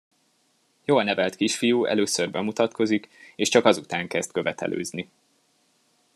Jól nevelt kisfiú először bemutatkozik, és csak azután kezd követelőzni.